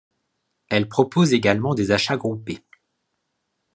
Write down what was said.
Elle propose également des achats groupés.